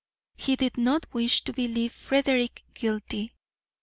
He did not wish to believe Frederick guilty.